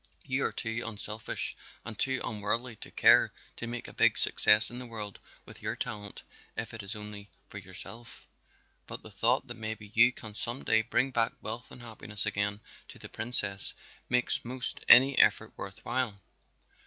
You are too unselfish and too unworldly to care to make a big success in the world with your talent if it is only for yourself, but the thought that maybe you can some day bring back wealth and happiness again to the Princess makes most any effort worth while?"